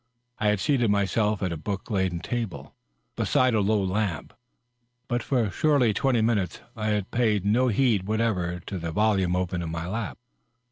I had seated myself at a book laden table, beside a low lamp, but for surely twenty minutes I had paid no heed whatever to the volume open in my lap.